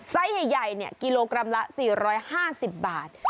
ไซส์ใหญ่ใหญ่เนี่ยกิโลกรัมละสี่ร้อยห้าสิบบาท